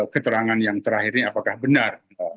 keterangan yang terakhir ini apakah benar